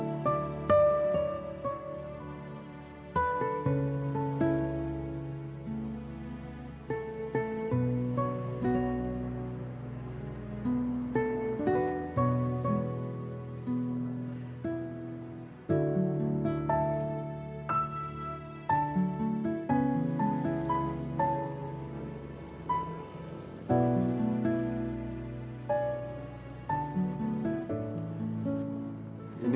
aku mau ke rumah